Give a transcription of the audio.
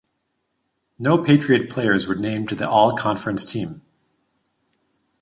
No Patriot players were named to the all conference team.